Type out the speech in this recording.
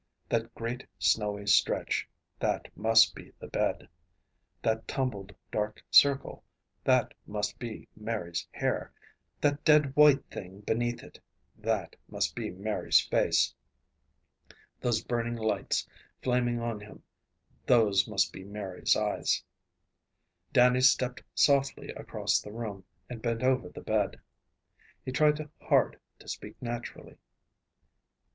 That great snowy stretch, that must be the bed. That tumbled dark circle, that must be Mary's hair. That dead white thing beneath it, that must be Mary's face. Those burning lights, flaming on him, those must be Mary's eyes. Dannie stepped softly across the room, and bent over the bed. He tried hard to speak naturally.